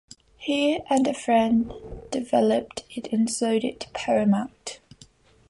He and a friend developed it and sold it to Paramount.